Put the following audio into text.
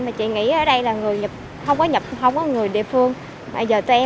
mà chị nghĩ ở đây là người nhập không có người địa phương